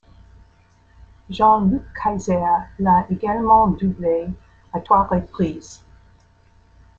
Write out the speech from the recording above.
Jean-Luc Kayser l'a également doublé à trois reprises.